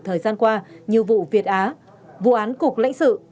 thời gian qua như vụ việt á vụ án cục lãnh sự